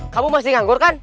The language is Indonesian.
kamu masih nganggur kan